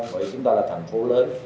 vậy chúng ta là thành phố lớn